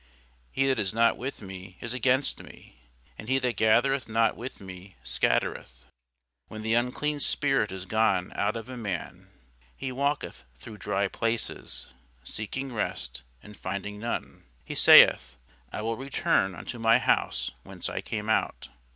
He that is not with me is against me: and he that gathereth not with me scattereth. When the unclean spirit is gone out of a man, he walketh through dry places, seeking rest; and finding none, he saith, I will return unto my house whence I came out.